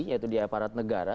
yaitu di aparat negara